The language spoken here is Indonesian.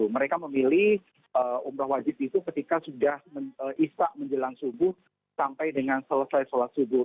mereka memilih umroh wajib itu ketika sudah isak menjelang subuh sampai dengan selesai sholat subuh